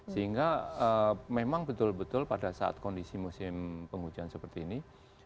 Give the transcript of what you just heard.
sehingga memang betul betul pada saat kondisi musim penghujan seperti ini